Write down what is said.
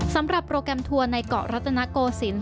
โปรแกรมทัวร์ในเกาะรัตนโกศิลป